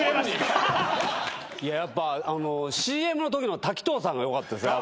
やっぱＣＭのときの滝藤さんが良かったですね。